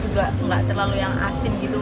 cikgu nya itu juga nggak terlalu yang asin gitu